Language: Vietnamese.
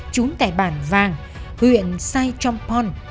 chúng tại bản vàng huyện sai trong pon